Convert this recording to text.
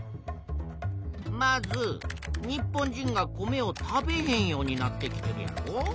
まず日本人が米を食べへんようになってきてるやろ。